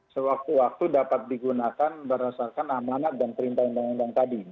sewaktu waktu dapat digunakan berdasarkan amanat dan perintah undang undang tadi